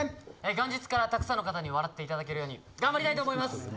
元日からたくさんの方に笑っていただけるように、頑張りたいと思います。